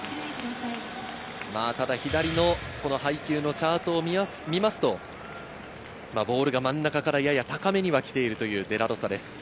左の配球のチャートを見ますとボールが真ん中からやや高めに来ているというデラロサです。